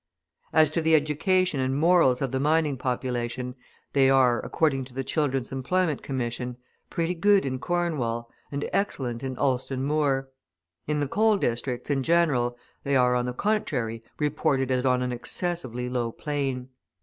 As to the education and morals of the mining population, they are, according to the Children's Employment Commission, pretty good in Cornwall, and excellent in Alston Moor; in the coal districts, in general, they are, on the contrary, reported as on an excessively low plane.